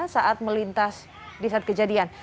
saat melintas di saat kejadian